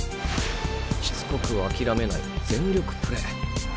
しつこく諦めない全力プレー。